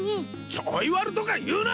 ちょい悪とか言うな！